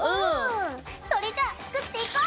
それじゃあ作っていこう！